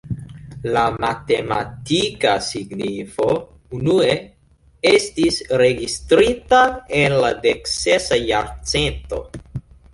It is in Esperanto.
La matematika signifo unue estis registrita en la dek-sesa jarcento.